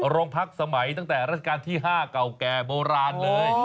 โรงพักสมัยตั้งแต่รัชกาลที่๕เก่าแก่โบราณเลย